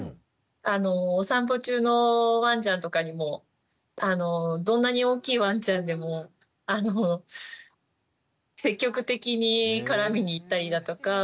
お散歩中のワンちゃんとかにもどんなに大きいワンちゃんでも積極的に絡みに行ったりだとか。